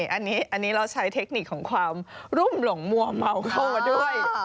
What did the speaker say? อันนี้เราใช้เทคนิคของความรุ่มหลงมัวเมาเข้ามาด้วย